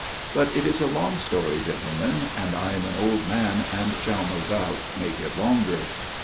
But it is a long story, gentle men and I am an old man and shall no doubt make it longer."